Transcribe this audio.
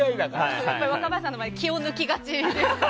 若林さんの前で気を抜きがちですね。